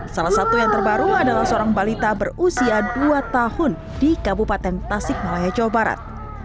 salah satu yang terbaru adalah seorang balita berusia dua tahun di kabupaten tasik malaya jawa barat